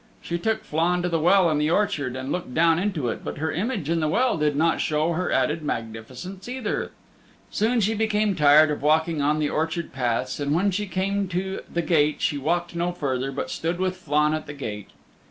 She took Flann to the well in the orchard, and looked down into it, but her image in the well did not show her added magnificence either. Soon she became tired of walking on the orchard paths, and when she came to the gate she walked no further but stood with Flann at the gate.